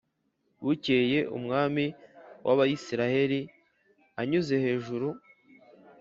Bukeye umwami w abisirayeli anyuze hejuru